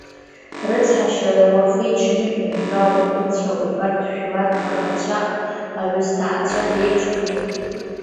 Рыцҳашьарада, уахи-ҽни, умтәа-умыцәа, убырҭ жәлар раӷацәа аҩысҭаацәа реиԥш илхтәуп.